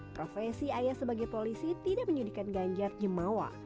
profesi ayah sebagai polisi tidak menyudikan ganjar jemawa